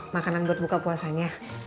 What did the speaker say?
makanan buat buka puasanya